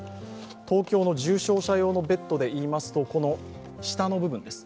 東京の重症者用のベッドでいいますと、下の部分です。